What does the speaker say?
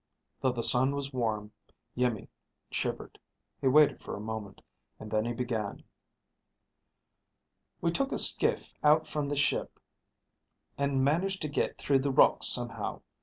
Though the sun was warm, Iimmi shivered. He waited for a moment, and then he began. "We took a skiff out from the ship and managed to get through the rocks somehow.